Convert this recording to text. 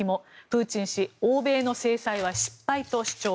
プーチン氏欧米の制裁は失敗と主張。